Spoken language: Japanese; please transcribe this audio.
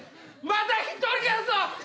まだ１人やぞ！